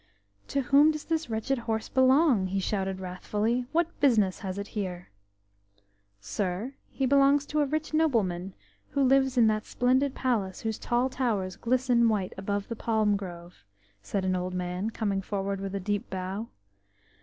"To whom does this wretched horse belong?" he shouted wrathfully. "What business has it here?" "Sir, he belongs to a rich nobleman, who lives in that splendid palace whose tall towers glisten white above the palm grove," said an old man, coming forward with a deep bow.